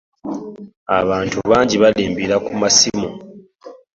Abantu bangi balimbira ku masimu.